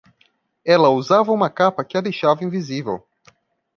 Ela usava uma capa que a deixava invisível